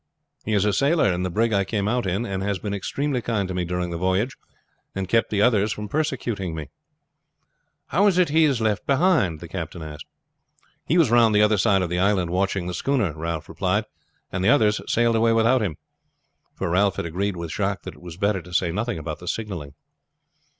"He is a sailor in the brig I came out in, and has been extremely kind to me during the voyage, and kept the others from persecuting me." "How is it he is left behind?" the captain asked. "He was round the other side of the island watching the schooner," Ralph replied, "and the others sailed away without him;" for Ralph had agreed with Jacques that it was better to say nothing about the signalling.